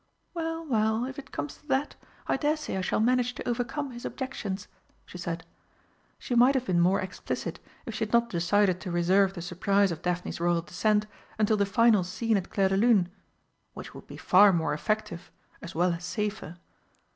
"Well, well, if it comes to that, I dare say I shall manage to overcome his objections," she said. She might have been more explicit if she had not decided to reserve the surprise of Daphne's royal descent until the final scene at Clairdelune which would be far more effective, as well as safer.